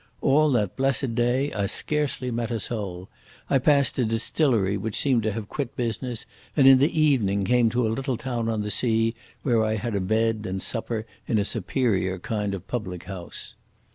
All that blessed day I scarcely met a soul. I passed a distillery which seemed to have quit business, and in the evening came to a little town on the sea where I had a bed and supper in a superior kind of public house.